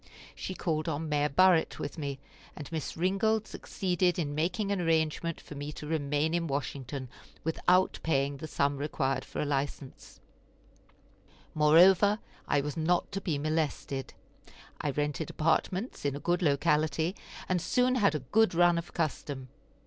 She called on Mayor Burritt with me, and Miss Ringold succeeded in making an arrangement for me to remain in Washington without paying the sum required for a license; moreover, I was not to be molested. I rented apartments in a good locality, and soon had a good run of custom.